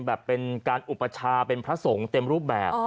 เป็นการอุปชาเป็นพระสงฆ์เต็มรูปแบบ